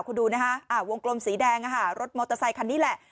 คุณดูนะฮะวงกลมสีแดงรถมอเตอร์ไซคันนี้แหละ